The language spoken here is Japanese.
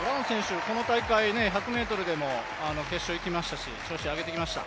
この大会１００ｍでも決勝行きましたし調子上げてきました。